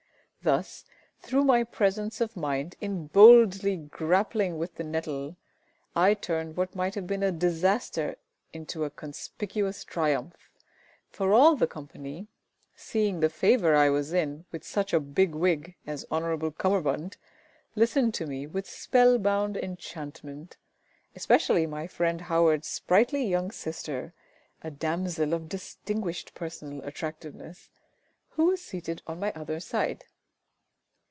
Thus, through my presence of mind in boldly grappling with the nettle, I turned what might have been a disaster into a conspicuous triumph, for all the company, seeing the favour I was in with such a big wig as Hon'ble CUMMERBUND, listened to me with spell bound enchantment, especially my friend HOWARD'S sprightly young sister, a damsel of distinguished personal attractiveness, who was seated on my other side.